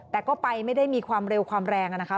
แต่ก็ไปไม่ได้มีความเร็วความแรงนะคะ